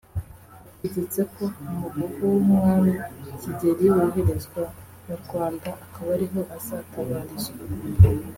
ategetse ko umugogo w’umwami Kigeli woherezwa mu Rwanda akaba ariho azatabarizwa